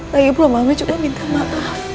lagi belum aman juga minta maaf